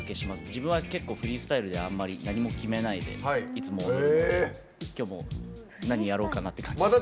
自分はフリースタイルであんまり決めないでいつものように、きょうも何やろうかなって感じです。